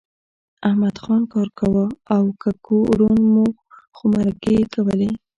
احمدخان کار کاوه او ککو ړوند و خو مرکې یې کولې